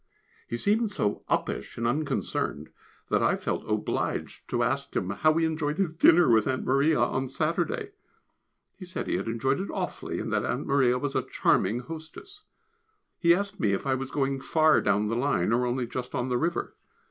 He seemed so uppish and unconcerned that I felt obliged to ask him how he enjoyed his dinner with Aunt Maria on Saturday. He said he had enjoyed it awfully, and that Aunt Maria was a charming hostess. He asked me if I was going far down the line, or only just on the river.